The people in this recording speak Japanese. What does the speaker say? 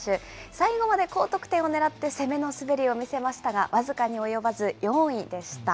最後まで高得点をねらって攻めの滑りを見せましたが、僅かに及ばず４位でした。